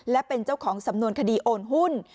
และเป็นเจ้าของสำนวนคดีโอนหุ้น